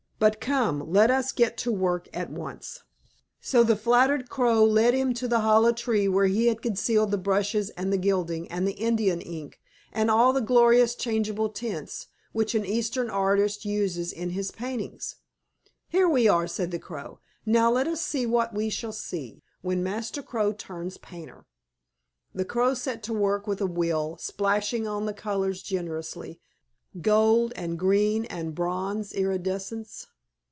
But come, let us get to work at once." So the flattered Crow led him to the hollow tree where he had concealed the brushes and the gilding and the India ink, and all the gorgeous changeable tints which an Eastern artist uses in his paintings. "Here we are," said the Crow. "Now let us see what we shall see, when Master Crow turns painter." The Crow set to work with a will, splashing on the colors generously, gold and green and bronze iridescence.